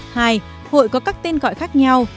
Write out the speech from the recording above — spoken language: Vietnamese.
hai hội có các tên gọi khác nhau